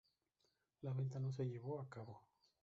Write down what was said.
La venta no se llevó a cabo.